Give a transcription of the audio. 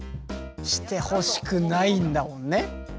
してほしくないんだもんね。